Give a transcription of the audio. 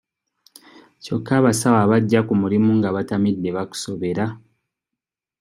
Kyokka abasawo abajja ku mulimu nga batamidde bakusobera.